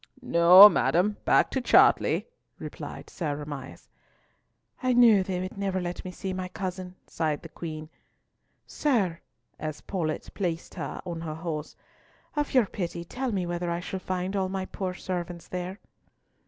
"No, madam, back to Chartley," replied Sir Amias. "I knew they would never let me see my cousin," sighed the Queen. "Sir," as Paulett placed her on her horse, "of your pity tell me whether I shall find all my poor servants there."